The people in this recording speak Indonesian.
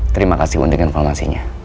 terima kasih undang undang informasinya